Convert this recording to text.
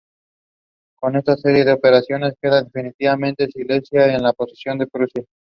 Con esta serie de operaciones queda definitivamente Silesia en posesión de Prusia.